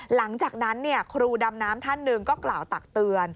หลังจากนั้นครูดำน้ำท่านหนึ่งก็กล่าวตักเตือน